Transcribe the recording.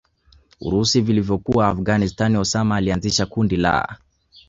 urusi vilivyokuwa Afghanstani Osama alianzisha kundi la